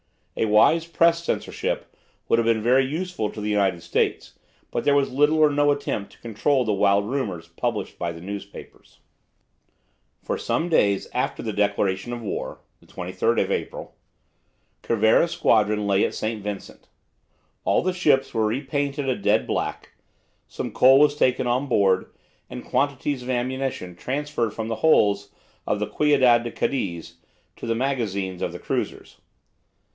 A wise Press censorship would have been very useful to the United States, but there was little or no attempt to control the wild rumours published by the newspapers. For some days after the declaration of war (23 April) Cervera's squadron lay at St. Vincent. All the ships were repainted a dead black, some coal was taken on board, and quantities of ammunition transferred from the holds of the "Ciudad de Cadiz" to the magazines of the cruisers.